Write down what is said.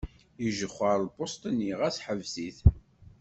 Ijexxer lpuṣt-nni, ɣas ḥbes-it.